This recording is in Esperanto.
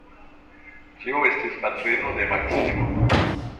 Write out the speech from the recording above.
Tio estis patrino de Maksimo.